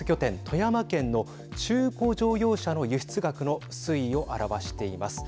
富山県の中古乗用車の輸出額の推移を表しています。